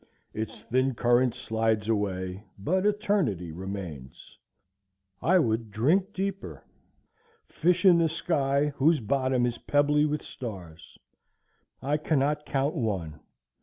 Its thin current slides away, but eternity remains. I would drink deeper; fish in the sky, whose bottom is pebbly with stars. I cannot count one.